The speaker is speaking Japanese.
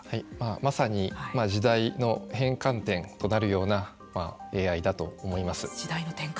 まさに時代の変換点となるようなＡＩだと思います。